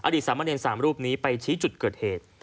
อดีตสามประเด็นสามรูปนี้ไปชี้จุดเกิดเหตุ